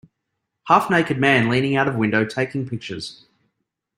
Half naked man leaning out of window taking pictures.